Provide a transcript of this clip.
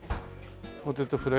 ポテトフライ。